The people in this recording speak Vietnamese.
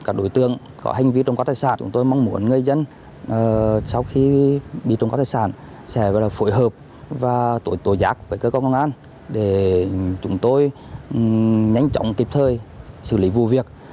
các đối tượng có hành vi trộm cắp tài sản chúng tôi mong muốn người dân sau khi bị trộm cắp tài sản sẽ phối hợp và tổ giác với cơ quan công an để chúng tôi nhanh chóng kịp thời xử lý vụ việc